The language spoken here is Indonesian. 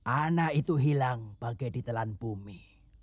anak itu hilang bagai ditelan bumi